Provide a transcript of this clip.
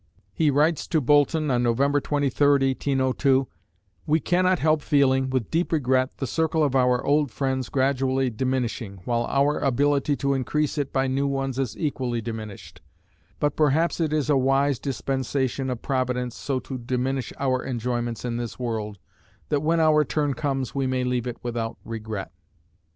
He writes to Boulton on November 23, 1802: We cannot help feeling, with deep regret, the circle of our old friends gradually diminishing, while our ability to increase it by new ones is equally diminished; but perhaps it is a wise dispensation of Providence so to diminish our enjoyments in this world, that when our turn comes we may leave it without regret.